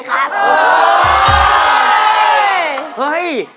หาร้องหน่อย